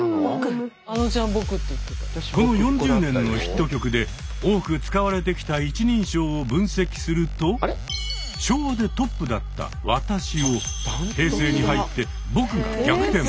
この４０年のヒット曲で多く使われてきた一人称を分析すると昭和でトップだった「わたし」を平成に入って「ぼく」が逆転。